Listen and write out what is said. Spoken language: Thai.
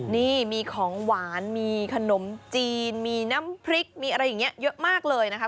นี่มีของหวานมีขนมจีนมีน้ำพริกมีอะไรอย่างนี้เยอะมากเลยนะคะ